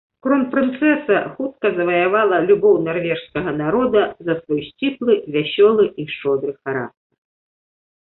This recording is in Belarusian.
Кронпрынцэса хутка заваявала любоў нарвежскага народа за свой сціплы, вясёлы і шчодры характар.